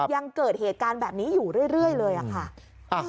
ยังเกิดเหตุการณ์แบบนี้อยู่เรื่อยเลยอะค่ะ